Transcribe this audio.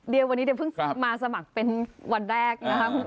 เดียววันนี้เดียวเพิ่งมาสมัครเป็นวันแรก